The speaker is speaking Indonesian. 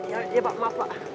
ya pak maaf pak